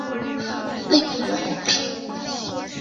他也把她的灵魂据为己有。